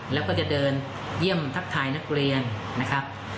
แล้วก็จะเดินเยี่ยมทักทายนักเรียนนะครับ